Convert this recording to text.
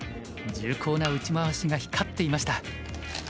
重厚な打ち回しが光っていました。